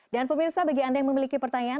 dan pemirsa bagi anda yang memiliki pertanyaan